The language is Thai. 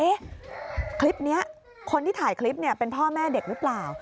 คลิปนี้คนที่ถ่ายคลิปเนี่ยเป็นพ่อแม่เด็กหรือเปล่า